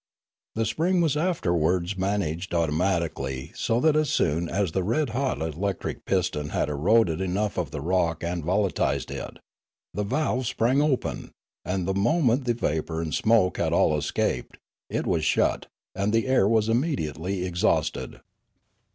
The spring was afterwards managed automatically so that as soon as the red hot electric piston had eroded enough of the rock and volatilised it, the valve sprang open, and the moment the vapour and smoke had all escaped, it was shut, and the air was immediately exhausted.